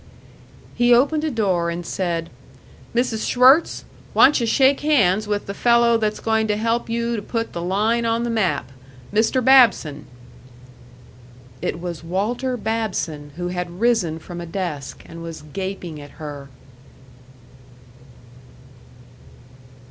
He opened a door and said, "Mrs. Schwirtz, wantcha shake hands with the fellow that's going to help you to put the Line on the map Mr. Babson." It was Walter Babson who had risen from a desk and was gaping at her.